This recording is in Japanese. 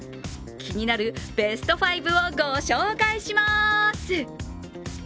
気になるベスト５をご紹介します。